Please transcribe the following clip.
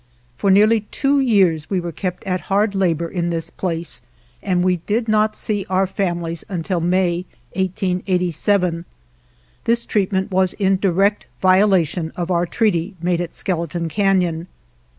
For nearly two years we were kept at hard labor in this place and we did not see our families until May, 1887. This treatment was in direct violation of our treaty made at Skele ton Canon.